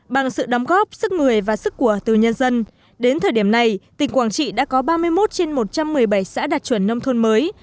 bằng sự đóng góp sức người và sức của từ nhân dân đến thời điểm này tỉnh quảng trị đã có ba mươi một trên một trăm một mươi bảy xã đạt chuẩn nông thôn mới